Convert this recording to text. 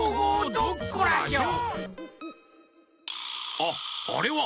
あっあれは！